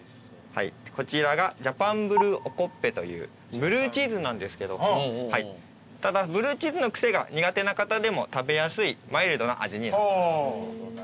こちらがジャパンブルーおこっぺというブルーチーズなんですけどただブルーチーズの癖が苦手な方でも食べやすいマイルドな味に。